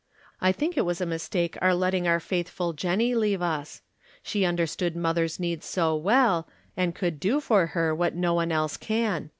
I tliink it was a mistake our letting our faithful Jenny leave us. She under stood mother's needs so well, and could do for her what no one else can.